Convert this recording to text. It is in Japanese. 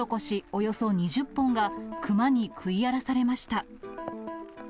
およそ２０本が、クマに食い荒らされました。